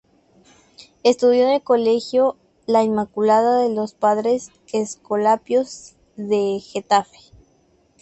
Estudió en el Colegio La Inmaculada de los Padres Escolapios de Getafe.